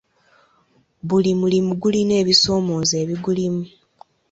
Buli mulimi gulina ebisoomooza ebigulimu.